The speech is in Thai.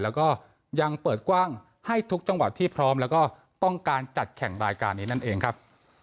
แล้วก็ยังเปิดกว้างให้ทุกจังหวัดที่พร้อมแล้วก็ต้องการจัดแข่งรายการนี้นั่นเองครับ